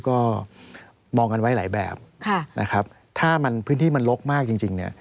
ก็มองกันไว้หลายแบบถ้าพื้นที่มันลกมากจริง